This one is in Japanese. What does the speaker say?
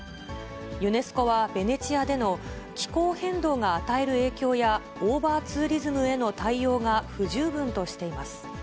ユネスコは、ベネチアでの気候変動が与える影響やオーバーツーリズムへの対応が不十分としています。